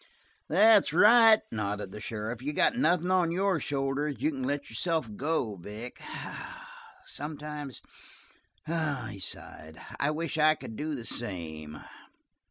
"That's right," nodded the sheriff. "You got nothing on your shoulders. You can let yourself go, Vic. Sometimes I wish" he sighed "I wish I could do the same!"